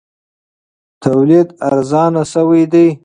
تولید ارزانه شوی دی.